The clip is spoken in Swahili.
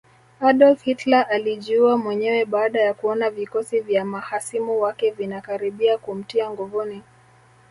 Adolf Hitler alijiua mwenyewe baada ya kuona vikosi vya mahasimu wake vinakaribia kumtia nguvuni